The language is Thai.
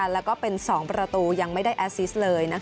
แล้วก็เป็น๒ประตูยังไม่ได้แอสซิสเลย